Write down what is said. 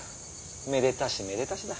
めでたしめでたしだ。